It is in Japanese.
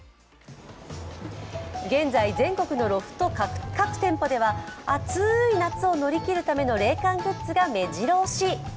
現在、全国のロフト各店舗では暑い夏を乗り切るための冷感グッズがめじろ押し。